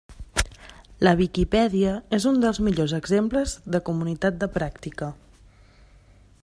La Viquipèdia és un dels millors exemples de comunitat de pràctica.